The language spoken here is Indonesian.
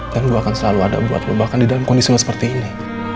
dan gue akan selalu ada buat lo bahkan di dalam kondisi seperti ini